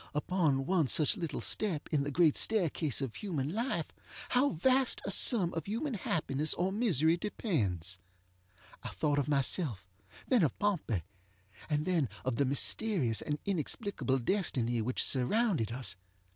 Upon one such little step in the great staircase of human life how vast a sum of human happiness or misery depends! I thought of myself, then of Pompey, and then of the mysterious and inexplicable destiny which surrounded us.